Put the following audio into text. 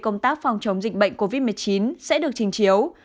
công tác phòng chống dịch bệnh covid một mươi chín sẽ được trình chiếu